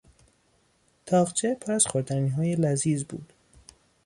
تاقچه پر از خوردنیهای لذیذ بود.